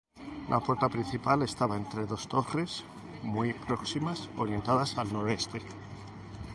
La puerta principal estaba entre dos torres muy próximas, orientadas al noroeste.